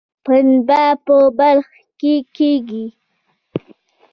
پنبه په بلخ کې کیږي